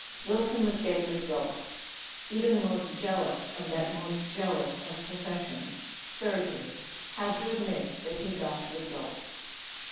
Wilson was getting results. Even the most jealous of that most jealous of professions, surgery, had to admit that he got results.